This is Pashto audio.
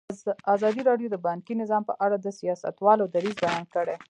ازادي راډیو د بانکي نظام په اړه د سیاستوالو دریځ بیان کړی.